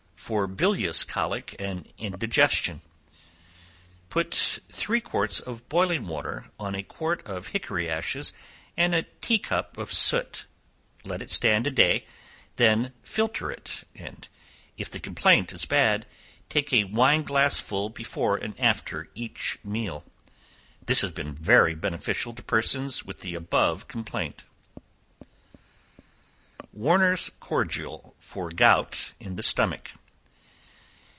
For Bilious Colic and Indigestion. Pour three quarts of boiling water on a quart of hickory ashes and a tea cup of soot; let it stand a day, then filter it, and if the complaint is bad, take a wine glassful before and after each meal. This has been very beneficial to persons with the above complaint. Warner's Cordial for Gout in the Stomach.